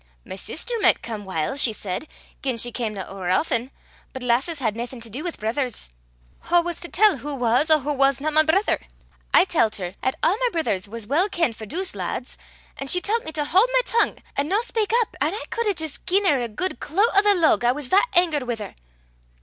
My sister micht come whiles, she said, gien she camna ower aften; but lasses had naething to dee wi' brithers. Wha was to tell wha was or wha wasna my brither? I tellt her 'at a' my brithers was weel kenned for douce laads; an' she tellt me to haud my tongue, an' no speyk up; an' I cud hae jist gi'en her a guid cloot o' the lug I was that angert wi' her."